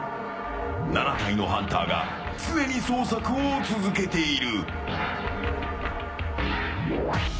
７体のハンターが常に捜索を続けている。